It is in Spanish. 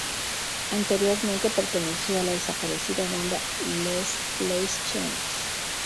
Anteriormente perteneció a la desaparecida banda "Last Place Champs".